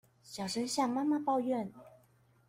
小聲向媽媽抱怨